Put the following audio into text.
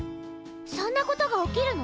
そんなことが起きるの？